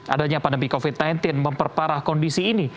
adanya pandemi covid sembilan belas memperparah kondisi ini